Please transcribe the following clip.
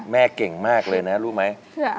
เก่งมากเลยนะรู้ไหม